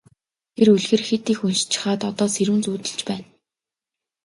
Тэр үлгэр хэт их уншчихаад одоо сэрүүн зүүдэлж байна.